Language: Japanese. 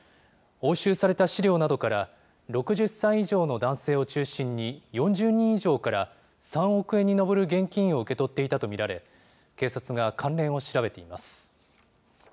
押収された資料などから、６０歳以上の男性を中心に、４０人以上から３億円に上る現金を受け取っていたと見られ、警察が関連を調べています。